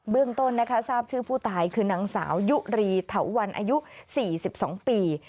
เรื่องต้นนะคะทราบชื่อผู้ตายคือนางสาวยุรีเถาวันอายุ๔๒ปี